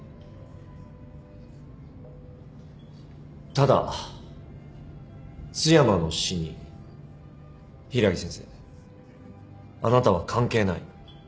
ただ津山の死に柊木先生あなたは関係ない。